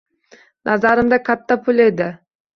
Nazarimda katta pul edi.